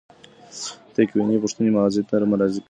تکویني پوښتنې ماضي ته مراجعه کوي.